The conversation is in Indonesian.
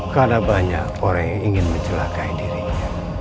karena banyak orang yang ingin mencelakai dirinya